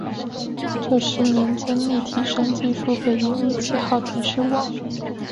这十年间立体声技术被引入七号电视网。